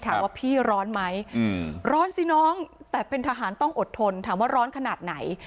ถามว่าพี่ร้อนไหมร้อนสิน้องแต่เป็นทหารต้องอดทนถามว่าร้อนขนาดไหน